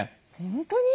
本当に？